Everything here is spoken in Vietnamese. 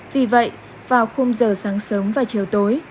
vì vậy vào khung giờ sáng sớm và chiều tối